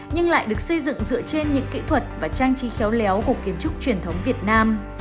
nhưng lại được xây dựng dựa trên những kỹ thuật và trang trí khéo léo của kiến trúc truyền thống việt nam